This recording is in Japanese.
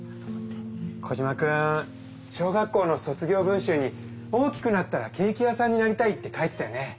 コジマくん小学校の卒業文集に「大きくなったらケーキ屋さんになりたい」って書いてたよね。